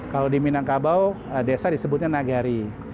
kalau di minangkabau desa disebutnya nagari